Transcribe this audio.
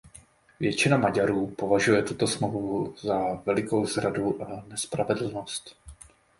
Většina Maďarů považuje tuto smlouvu za velikou zradu a nespravedlnost.